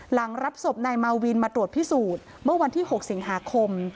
หลังรับศพนายมาวินมาตรวจพิสูจน์เมื่อวันที่๖สิงหาคม